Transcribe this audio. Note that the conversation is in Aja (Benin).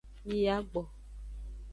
Mi yi agbo.